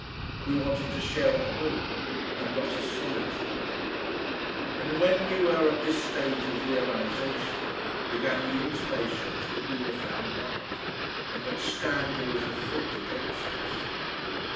We wanted to share a home, and not a solitude. And when we were at this stage of realisation, began the intimations that we were found out, and that scandal was afoot against us....